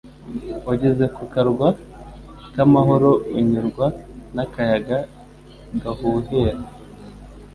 Wageze ku Karwa k'Amahoro unyurwa n'akayaga gahuhera